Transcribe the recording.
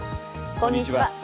こんにちは。